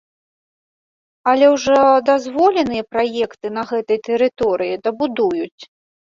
Але ўжо дазволеныя праекты на гэтай тэрыторыі дабудуюць.